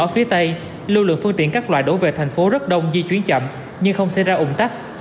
ở phía tây lưu lượng phương tiện các loại đổ về thành phố rất đông di chuyển chậm nhưng không xảy ra ủng tắc